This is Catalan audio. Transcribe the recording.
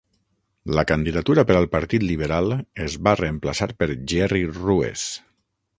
La candidatura per al partit liberal es va reemplaçar per Gerry Ruehs.